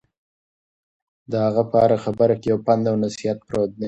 د هغه په هره خبره کې یو پند او نصیحت پروت دی.